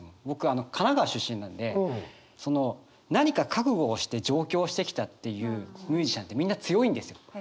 僕あの神奈川出身なんで何か覚悟をして上京してきたっていうミュージシャンってみんな強いんですよ。